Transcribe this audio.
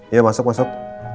iya masuk masuk